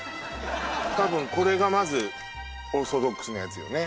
たぶんこれがまずオーソドックスなやつよね